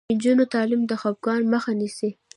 د نجونو تعلیم د خپګان مخه نیسي.